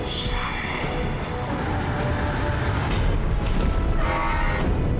aku akan buktikan